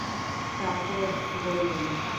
তা তো বলবোই।